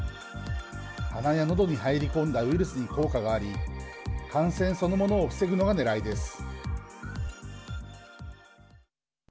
鼻やのどに入り込んだウイルスに効果があり感染そのものを防ぐのがねらいです。